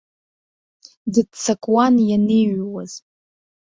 Дыццакуан ианиҩуаз.